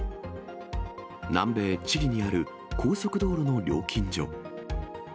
南米チリにある高速道路の料金所。